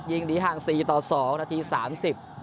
ยิงหนีห่างสี่ต่อสองนาทีสามสิบ